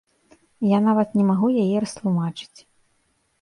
Я нават не магу яе растлумачыць.